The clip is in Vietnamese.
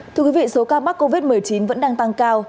thưa quý vị số ca mắc covid một mươi chín vẫn đang tăng cao